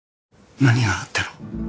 何があったの？